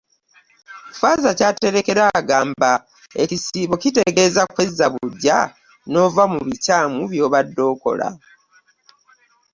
Ffaaza Kyaterekera agamba ekisiibo kitegeeza kwezza buggya n'ova mu bikyamu by'obadde okola.